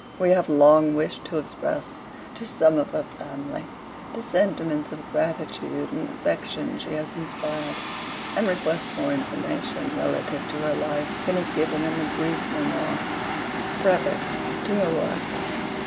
We have long wished to express to some of her family the sentiments of gratitude and affection she has inspired, and request more information relative to her life than is given in the brief memoir prefixed to her works.